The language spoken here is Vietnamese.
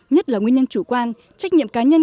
nhất là nguyên nhân chủ quan trách nhiệm cá nhân